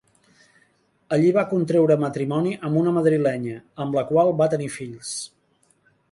Allí va contreure matrimoni amb una madrilenya, amb la qual va tenir fills.